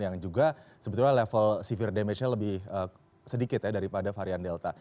yang juga sebetulnya level civil damage nya lebih sedikit ya daripada varian delta